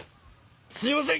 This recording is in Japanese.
すいません！